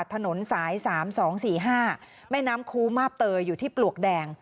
ถนนสายสามสองสี่ห้าแม่น้ำคูมาโตยอยู่ที่ปลวกแดง